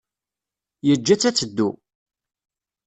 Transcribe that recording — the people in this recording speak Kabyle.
Yeǧǧa-tt ad teddu.